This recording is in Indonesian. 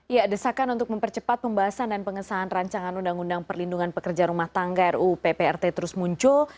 ya desakan untuk mempercepat pembahasan dan pengesahan rancangan undang undang perlindungan pekerja rumah tangga ru pprt terus muncul